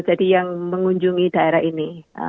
jadi yang mengunjungi daerah ini